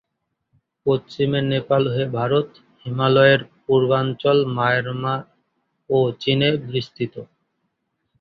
পশ্চিমে নেপাল হয়ে ভারত, হিমালয়ের পূর্বাঞ্চল, মায়ানমার ও চীনে বিস্তৃত।